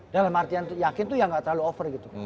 dalam artian yakin tuh ya gak terlalu over gitu